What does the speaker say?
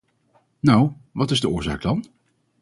Nou, wat is de oorzaak dan.